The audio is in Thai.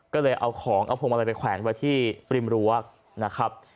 ก็เลยเอาของเอาพวงมาลัยไปแขวนไว้ที่ปริมรั้วนะครับ